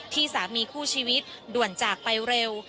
ที่สามีคู่ชีวิตด่วนจากไปเร็ว